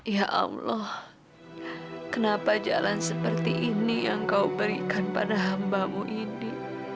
ya allah kenapa jalan seperti ini yang kau berikan pada hambamu ini